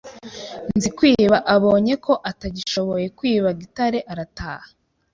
Nzikwiba abonye ko atagishoboye kwiba Gitare arataha